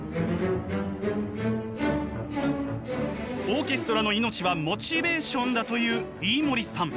オーケストラの命はモチベーションだと言う飯森さん。